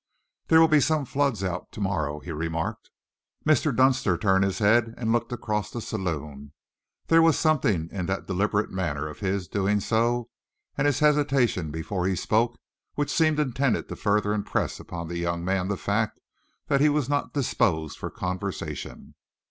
"There will be some floods out to morrow," he remarked. Mr. Dunster turned his head and looked across the saloon. There was something in the deliberate manner of his doing so, and his hesitation before he spoke, which seemed intended to further impress upon the young man the fact that he was not disposed for conversation.